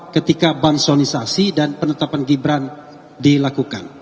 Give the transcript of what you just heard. ketika bansonisasi dan penetapan gibran dilakukan